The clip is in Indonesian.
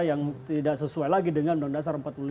yang tidak sesuai lagi dengan undang undang dasar